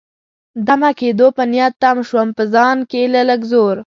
دمه کېدو په نیت تم شوم، په ځان کې له لږ زور.